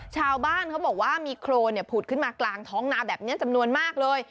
ชาวบ้านเขาบอกว่ามีโครนผุดขึ้นมากลางท้องนาแบบนี้จำนวนมากเลย